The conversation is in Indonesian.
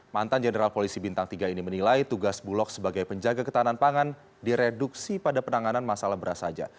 mantan jenderal polisi bintang tiga ini menilai tugas bulog sebagai penjaga ketahanan pangan direduksi pada penanganan masalah beras saja